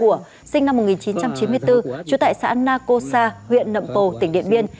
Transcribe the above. h aq sinh năm một nghìn chín trăm chín mươi bốn trú tại xã na cô sa huyện lậm bồ tỉnh điện biên